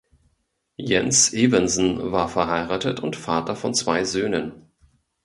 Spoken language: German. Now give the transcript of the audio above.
Jens Evensen war verheiratet und Vater von zwei Söhnen.